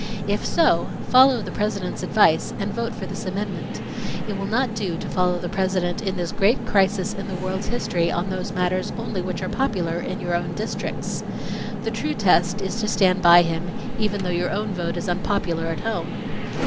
If so, follow the President's advice and vote for this amendment. It will not do to follow the President in this great crisis in the world's history on those matters only which are popular in your own districts. The true test is to stand by him, even though your own vote is unpopular at home.